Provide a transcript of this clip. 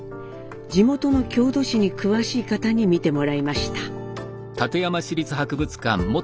地元の郷土史に詳しい方に見てもらいました。